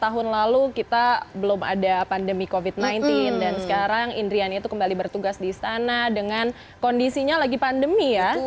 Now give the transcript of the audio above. tahun lalu kita belum ada pandemi covid sembilan belas dan sekarang indrian itu kembali bertugas di istana dengan kondisinya lagi pandemi ya